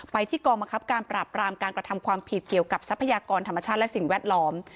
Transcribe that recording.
ที่กองบังคับการปราบรามการกระทำความผิดเกี่ยวกับทรัพยากรธรรมชาติและสิ่งแวดล้อม